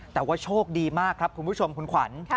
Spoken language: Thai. แต่ว่าโชคดีมากครับคุณผู้ชมคุณขวัญ